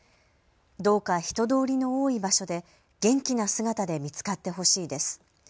どうか人通りの多い場所で元気な姿で見つかってほしいです。